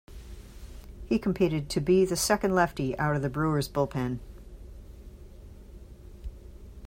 He competed to be the second lefty out of the Brewers' bullpen.